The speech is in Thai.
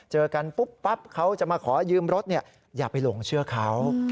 เจอกันปุ๊บปั๊บเขาจะมาขอยืมรถอย่าไปหลงเชื่อเขา